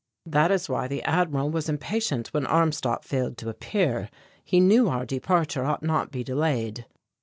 That is why the Admiral was impatient when Armstadt failed to appear; he knew our departure ought not be delayed."